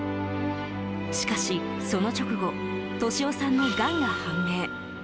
しかし、その直後利夫さんのがんが判明。